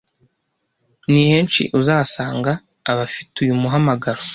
ni henshi uzasanga abafite uyu muhamagaro